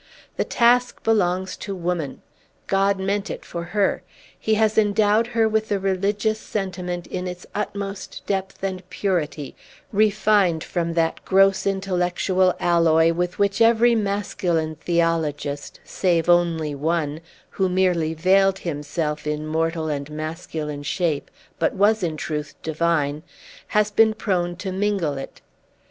The task belongs to woman. God meant it for her. He has endowed her with the religious sentiment in its utmost depth and purity, refined from that gross, intellectual alloy with which every masculine theologist save only One, who merely veiled himself in mortal and masculine shape, but was, in truth, divine has been prone to mingle it.